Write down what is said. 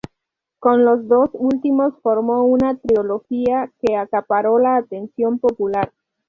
Con los dos últimos formó una trilogía que acaparó la atención popular.